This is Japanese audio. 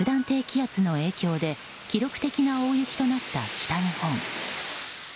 低気圧の影響で記録的な大雪となった北日本。